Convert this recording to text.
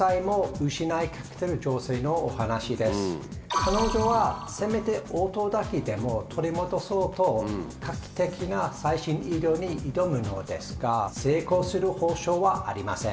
彼女はせめて音だけでも取り戻そうと画期的な最新医療に挑むのですが成功する保証はありません。